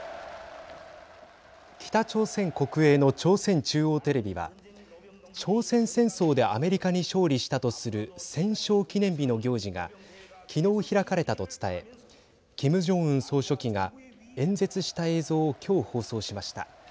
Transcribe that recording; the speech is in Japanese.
北朝鮮国営の朝鮮中央テレビは朝鮮戦争でアメリカに勝利したとする戦勝記念日の行事がきのう、開かれたと伝えキム・ジョンウン総書記が演説した映像をきょう放送しました。